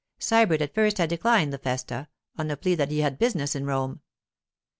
Sybert at first had declined the festa, on the plea that he had business in Rome.